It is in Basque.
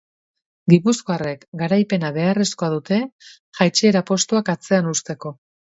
Gipuzkoarrek garaipena beharrezkoa dute jaitsiera postuak atzean uzteko.